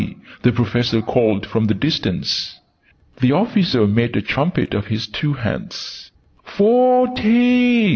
the Professor called from the distance. The officer made a trumpet of his two hands. "Forty!"